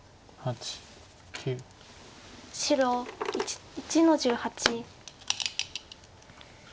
白１の十八。